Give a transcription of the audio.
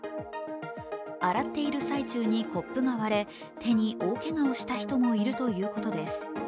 洗っている最中にコップが割れ手に大けがをした人もいるそうです。